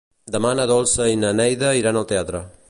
Demà na Dolça i na Neida iran al teatre.